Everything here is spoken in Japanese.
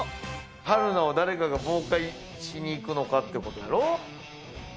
春菜を誰かが妨害しに行くのかってことやろ？